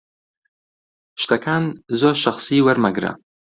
شتەکان زۆر شەخسی وەرمەگرە.